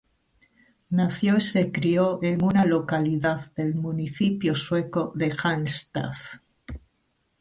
Nació y se crio en una localidad del municipio sueco de Halmstad.